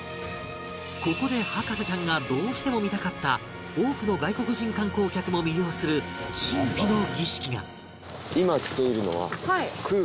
ここで博士ちゃんがどうしても見たかった多くの外国人観光客も魅了する神秘の儀式がえっ！